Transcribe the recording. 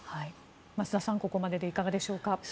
増田さん、ここまででいかがでしょうか？